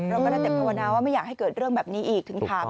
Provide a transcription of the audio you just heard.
ก็ได้แต่ภาวนาว่าไม่อยากให้เกิดเรื่องแบบนี้อีกถึงถาม